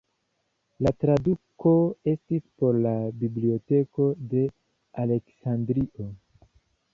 La traduko estis por la Biblioteko de Aleksandrio.